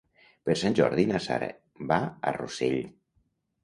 Per Sant Jordi na Sara va a Rossell.